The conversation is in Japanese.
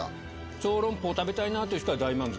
小籠包食べたいなっていう人は大満足。